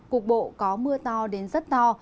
cục bộ có mưa to đến rất to